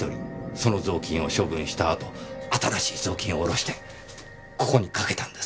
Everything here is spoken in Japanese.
その雑巾を処分した後新しい雑巾を下ろしてここに掛けたんです。